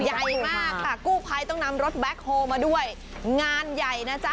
ใหญ่มากค่ะกู้ภัยต้องนำรถแบ็คโฮมาด้วยงานใหญ่นะจ๊ะ